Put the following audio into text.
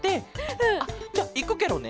うん。あっじゃあいくケロね。